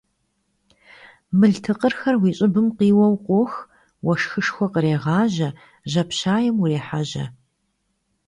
Мыл тыкъырхэр уи щӀыбым къиуэу къох, уэшхышхуэ кърегъажьэ, жьапщаем урехьэжьэ.